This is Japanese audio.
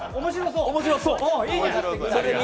面白そう！